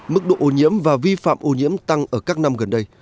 mức độ ô nhiễm và vi phạm ô nhiễm tăng ở các năm gần đây